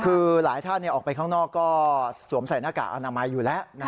คือหลายท่านออกไปข้างนอกก็สวมใส่หน้ากากอนามัยอยู่แล้ว